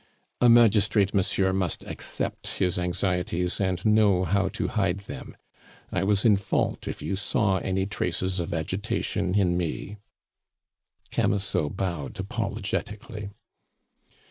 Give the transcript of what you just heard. "A magistrate, monsieur, must accept his anxieties and know how to hide them. I was in fault if you saw any traces of agitation in me " Camusot bowed apologetically.